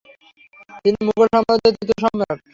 তিনি মুঘল সাম্রাজ্যের তৃতীয় সম্রাট।